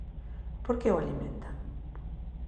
¿Por que o alimentan?